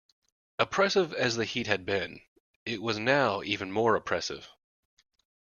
Oppressive as the heat had been, it was now even more oppressive.